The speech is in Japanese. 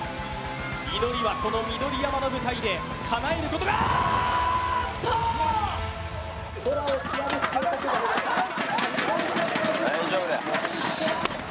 祈りはこの緑山の舞台でかなえることが大丈夫だよ。